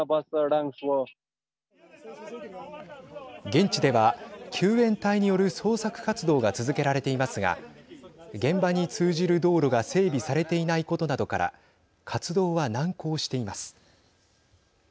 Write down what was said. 現地では救援隊による捜索活動が続けられていますが現場に通じる道路が整備されていないことなどから活動は難航しています。